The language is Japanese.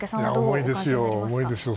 いや、本当に重いですよ。